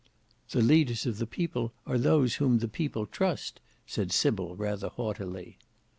"The leaders of the People are those whom the People trust," said Sybil rather haughtily.